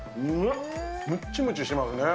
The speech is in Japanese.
むっちむちしてますね。